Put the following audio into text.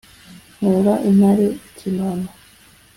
nkura intare ikinono